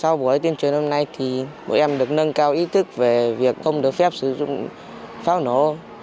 sau buổi tuyên truyền hôm nay thì bọn em được nâng cao ý thức về việc không được phép sử dụng pháo nổ